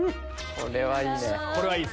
これはいいね！